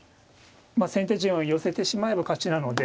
先手陣を寄せてしまえば勝ちなので。